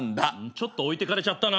ちょっと置いてかれちゃったな。